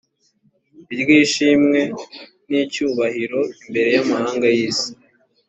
iry ishimwe n icyubahiro imbere y amahanga y isi